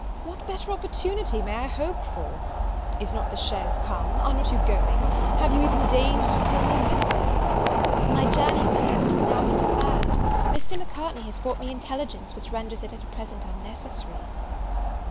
what better opportunity may I hope for? is not the chaise come? are you not going? have you even deigned to tell me whither?" "My journey, my Lord, will now be deferred. Mr. Macartney has brought me intelligence which renders it at present unnecessary."